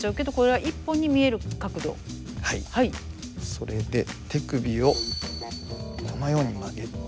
それで手首をこのように曲げて。